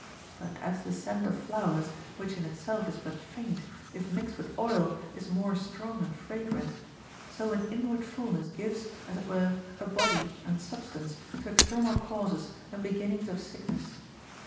But as the scent of flow ers, which in itself is but faint, if mixed Avith oil is more strong and fragrant ; so an inward fulness gives, as it were, a body and substance to external causes and beginnings of sickness.